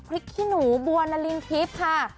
ขี้หนูบัวนารินทิพย์ค่ะ